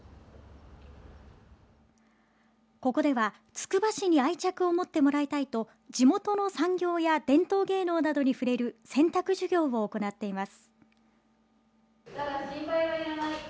ここでは、つくば市に愛着を持ってもらいたいと地元の産業や伝統芸能などに触れる選択授業を行っています。